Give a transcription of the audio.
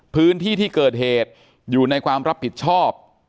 พื้นที่ที่เกิดเหตุอยู่ในความรับผิดชอบ